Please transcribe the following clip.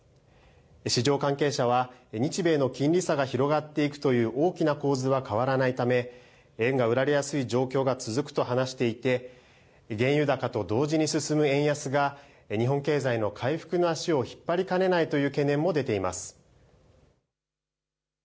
市場関係者は日米の金利差が広がっていくという大きな構図は変わらないため円が売られやすい状況が続くと話していて原油高と同時に進む円安が日本経済の回復の足を引っ張りかねないという懸念も出ています。